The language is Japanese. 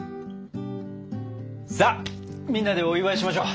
さあみんなでお祝いしましょう。